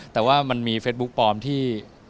แต่ว่ามันมีเฟซบุ๊คปลอมที่